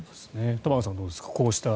玉川さんはどうですか。